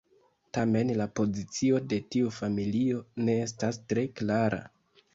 Tamen la pozicio de tiu familio ne estas tre klara.